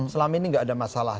selama ini tidak ada masalah